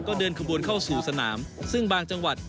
ก็เดินขบวนเข้าสู่สนามซึ่งบางจังหวัด